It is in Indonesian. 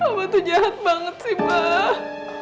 abah tuh jahat banget sih mbah